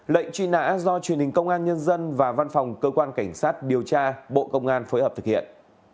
lệnh truy nã do truyền hình công an nhân dân và văn phòng cơ quan cảnh sát điều tra bộ công an phối hợp thực hiện